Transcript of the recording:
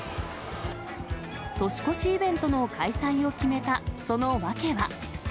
年越しイベントの開催を決めた、その訳は。